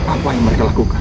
apa yang mereka lakukan